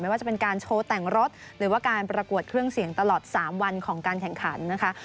ว่าจะเป็นการโชว์แต่งรถหรือว่าการประกวดเครื่องเสียงตลอด๓วันของการแข่งขันนะคะ